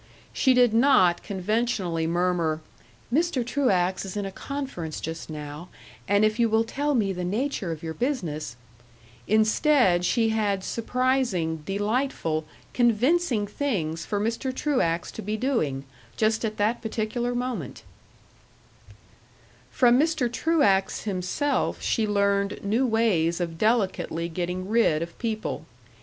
She did not conventionally murmur, "Mr. Truax is in a conference just now, and if you will tell me the nature of your business " Instead, she had surprising, delightful, convincing things for Mr. Truax to be doing, just at that particular moment From Mr. Truax himself she learned new ways of delicately getting rid of people.